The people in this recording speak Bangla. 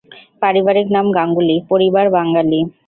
পারিবারিক নাম গাঙ্গুলী, - পরিবার বাঙালি।